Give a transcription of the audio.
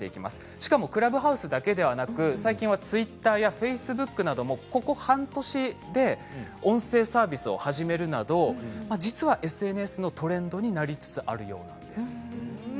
しかもクラブハウスだけではなく最近はツイッターやフェイスブックなどもここ半年で音声サービスを始めるなど実はＳＮＳのトレンドになりつつあるようなんです。